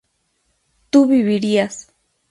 tú vivirías